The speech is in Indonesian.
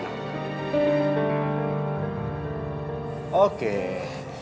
macem macem itu anak